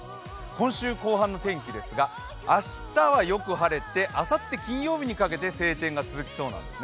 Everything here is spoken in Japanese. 今週後半の天気ですが、明日はよく晴れてあさって金曜日にかけて晴天が続きそうなんです。